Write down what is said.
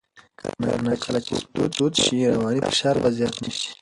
کله نا کله چې سپورت دود شي، رواني فشار به زیات نه شي.